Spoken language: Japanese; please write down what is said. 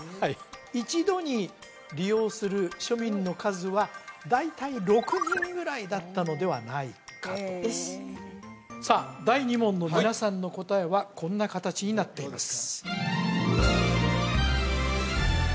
一度に利用する庶民の数は大体６人ぐらいだったのではないかとえよしさあ第２問の皆さんの答えはこんな形になっています